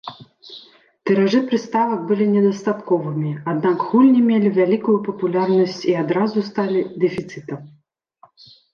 Тыражы прыставак былі недастатковымі, аднак гульні мелі вялікую папулярнасць і адразу сталі дэфіцытам.